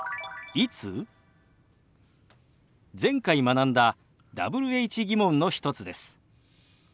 前回学んだＷｈ−疑問の一つです。